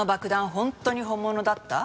本当に本物だった？